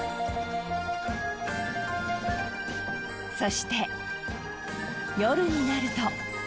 そして夜になると。